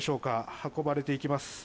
運ばれています。